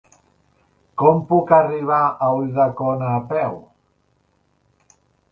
Com puc arribar a Ulldecona a peu?